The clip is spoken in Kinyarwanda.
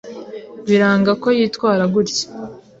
Biranga ko yitwara gutya.